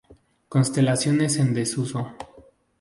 Constelaciones en desuso